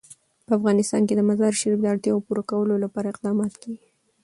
په افغانستان کې د مزارشریف د اړتیاوو پوره کولو لپاره اقدامات کېږي.